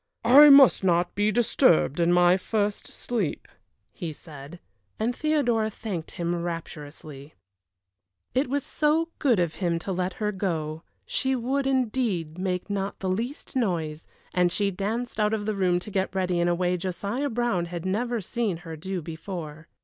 "I must not be disturbed in my first sleep," he said; and Theodora thanked him rapturously. It was so good of him to let her go she would, indeed, make not the least noise, and she danced out of the room to get ready in a way Josiah Brown had never seen her do before.